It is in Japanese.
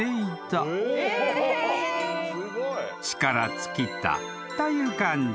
［力尽きたという感じ。